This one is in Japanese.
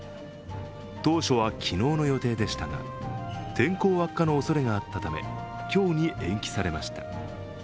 当初は昨日の予定でしたが、天候悪化のおそれがあったため今日に延期されました。